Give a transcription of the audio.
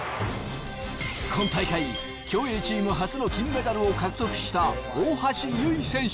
今大会競泳チーム初の金メダルを獲得した大橋悠依選手。